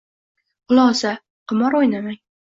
Xulosa: qimor o‘ynamang!